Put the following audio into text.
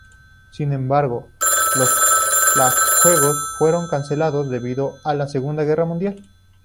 Sin embargo, la Juegos fueron cancelados debido a la Segunda Guerra Mundial.